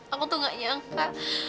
aku tuh gak nyangka